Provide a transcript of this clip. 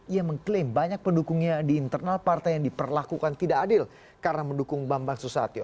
ia mengklaim banyak pendukungnya di internal partai yang diperlakukan tidak adil karena mendukung bambang susatyo